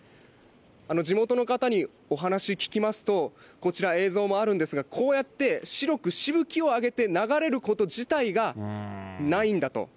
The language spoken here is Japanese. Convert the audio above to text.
地元の方にお話聞きますと、こちら、映像もあるんですが、こうやって白くしぶきを上げて、流れることじたいが、ないんだと。